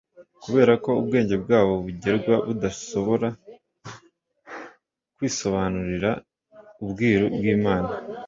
kubera ko ubwenge bwabo bugerwa budasobora kwisobanurira ubwiru bw'Imana.